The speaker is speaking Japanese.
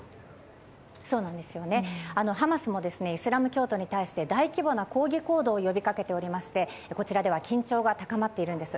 ハマスもイスラム教徒に対して大規模な抗議行動を呼び掛けておりましてこちらでは緊張が高まっているんです。